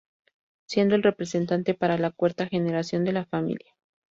Siendo el representante para la cuarta generación de la familia.